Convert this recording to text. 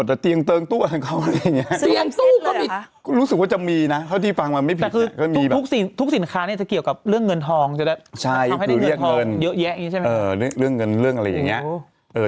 เรื่องเงินเรื่องอะไรอย่างนี้